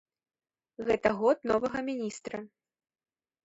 Гэта год новага міністра.